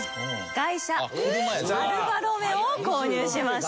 外車アルファロメオを購入しました。